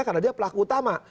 karena dia pelaku utama